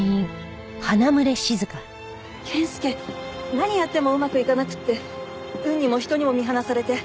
何やってもうまくいかなくって運にも人にも見放されて。